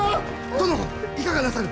殿いかがなさる？